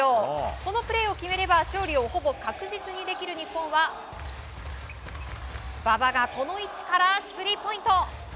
このプレーを決めれば勝利をほぼ確実にできる日本は馬場がこの位置からスリーポイント。